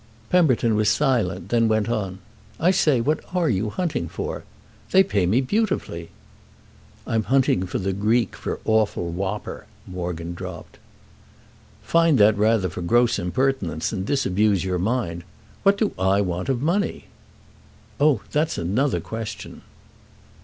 Pemberton was silent, then he went on: "I say, what are you hunting for? They pay me beautifully." "I'm hunting for the Greek for awful whopper," Morgan dropped. "Find that rather for gross impertinence and disabuse your mind. What do I want of money?" "Oh that's another question!"